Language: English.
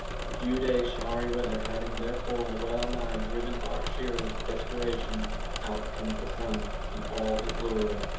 A few days showery weather having, therefore, wellnigh driven our shearers to desperation, out comes the sun in all his glory.